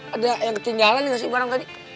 ada yang ketinggalan nggak sih barang tadi